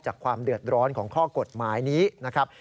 ความเดือดร้อนของข้อกฎหมายนี้นะครับ